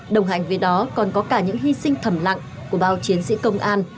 đồng hành với đó còn có cả những hy sinh thầm lặng của bao chiến sĩ công an